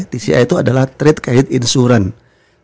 tci itu adalah trade credit insurance